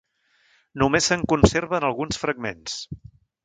Només se'n conserven alguns fragments.